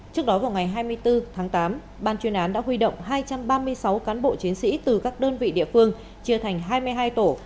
trước đó vào ngày hai mươi bốn tháng tám ban chuyên án đã huy động hai trăm ba mươi sáu cán bộ chiến sĩ từ các đơn vị địa phương chia thành hai mươi hai tổ